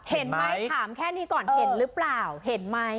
เห็นไหมถามแค่นี้ก่อนเห็นหรือเปล่าเห็นไหม